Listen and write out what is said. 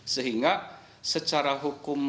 sehingga secara hukumnya